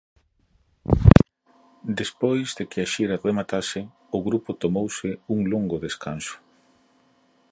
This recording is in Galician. Despois de que a xira rematase o grupo tomouse un longo descanso.